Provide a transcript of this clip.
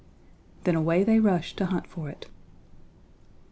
Then away they rushed to hunt for it.